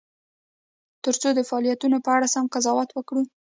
ترڅو د فعالیتونو په اړه سم قضاوت وکړو.